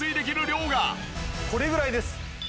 これぐらいです。